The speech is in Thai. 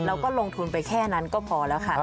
แล้วก็ลงทุนไปแค่นั้นก็พอแล้วค่ะ